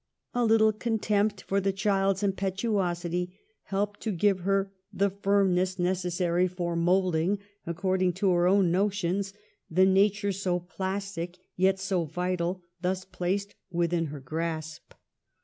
A little contempt for the child's im petuosity helped to give her the firmness neces sary for moulding, according to her own notions, the nature so plastic, yet so vital, thus placed within her grasp.